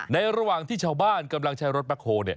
ระหว่างที่ชาวบ้านกำลังใช้รถแบ็คโฮล